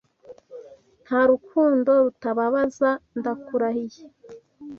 Nta rukundo rutababaza ndakurahiye